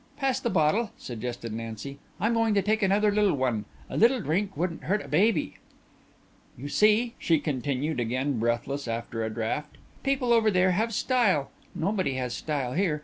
"Pass the bottle," suggested Nancy. "I'm going to take another little one. A little drink wouldn't hurt a baby. "You see," she continued, again breathless after a draught. "People over there have style. Nobody has style here.